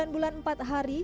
sembilan bulan empat hari